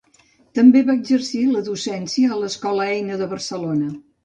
També va exercir la docència a l'Escola Eina de Barcelona.